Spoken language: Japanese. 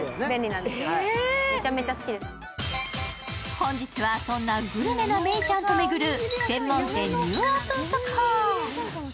本日はそんなグルメな芽育ちゃんと巡る専門店ニューオープン速報。